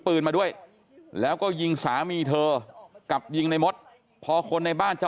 ปืนมาด้วยแล้วก็ยิงสามีเธอกับยิงในมดพอคนในบ้านจะ